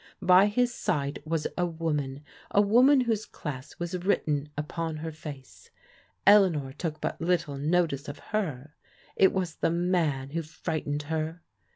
By his side was a woman, a woman whose class was written upon her face. Elea nor took but little notice of her; it was the man who frightened her.